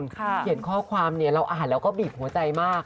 เขียนข้อความเนี่ยเราอ่านแล้วก็บีบหัวใจมาก